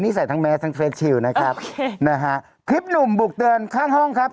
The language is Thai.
ใส่ทั้งแมสทั้งเฟสชิลนะครับนะฮะคลิปหนุ่มบุกเตือนข้างห้องครับ